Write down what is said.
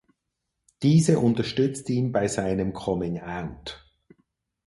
Diese unterstützt ihn bei seinem Coming-out.